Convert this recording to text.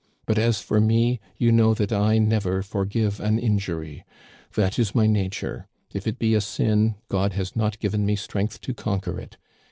But as for me, you know that I never forgive an injury. That is my nature. If it be a sin, God has not given me strength to conquer it.